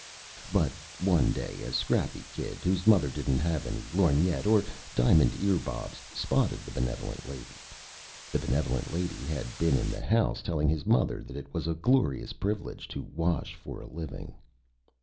But one day a Scrappy Kid, whose Mother didn't have any Lorgnette or Diamond Ear Bobs, spotted the Benevolent Lady. The Benevolent Lady had been in the House telling his Mother that it was a Glorious Privilege to wash for a Living.